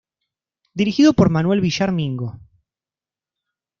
Dirigido por Manuel Villar Mingo.